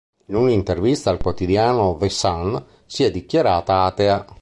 In un'intervista al quotidiano "The Sun" si è dichiarata atea.